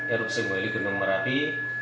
erupsi mueli gunung merapi